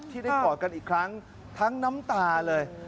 ที่ได้กอดกันอีกครั้งทั้งน้ำตาเลย